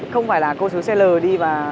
không phải là cô sứ xe lờ đi và